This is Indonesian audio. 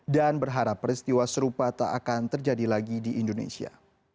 dan berharap peristiwa serupa tak akan terjadi lagi di indonesia